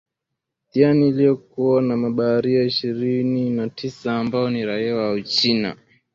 tian iliyokuwa na mabaharia ishirini na tisa ambao ni raia wa uchina